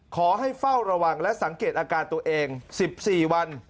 เฝ้าระวังและสังเกตอาการตัวเอง๑๔วัน